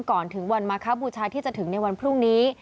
ก่อนถึงวันมาคบูชาที่จะถึงในวันพรุ่งนี้